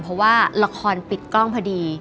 เพราะว่าละครปิดกล้องพอดี